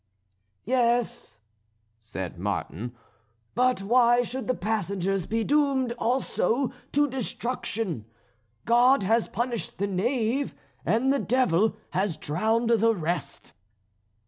"Yes," said Martin; "but why should the passengers be doomed also to destruction? God has punished the knave, and the devil has drowned the rest."